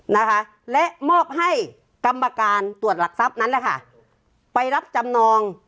นะคะและมอบให้กรรมการตรวจหลักทรัพย์นั้นแหละค่ะไปรับจำนอง